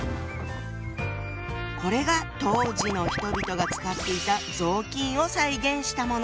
これが当時の人々が使っていた雑巾を再現したもの。